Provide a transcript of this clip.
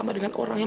jangan letak lemah